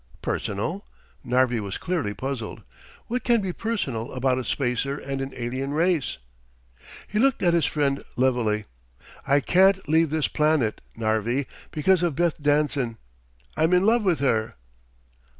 "Personal?" Narvi was clearly puzzled. "What can be personal about a Spacer and an alien race?" He looked at his friend levelly. "I can't leave this planet, Narvi, because of Beth Danson. I'm in love with her."